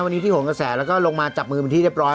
วันนี้ที่หงกระแสแล้วก็ลงมาจับมือเป็นที่เรียบร้อย